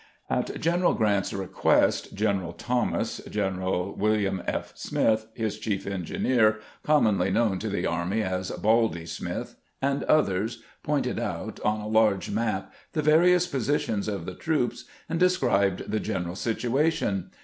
At General Grant's request, General Thomas, General "William F. Smith, his chief engineer, commonly known in the army as " Baldy " Smith, and others, pointed out on a large map the various positions of the troops, and described the general situation.